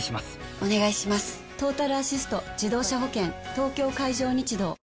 東京海上日動